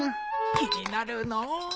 気になるのう。